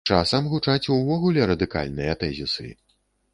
Часам гучаць увогуле радыкальныя тэзісы.